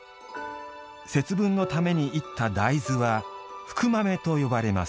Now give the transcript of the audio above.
節分のために、煎った大豆は福豆と呼ばれます。